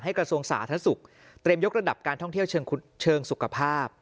กระทรวงสาธารณสุขเตรียมยกระดับการท่องเที่ยวเชิงสุขภาพ